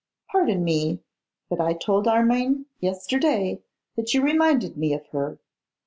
Pardon me, but I told Armine yesterday that you reminded me of her.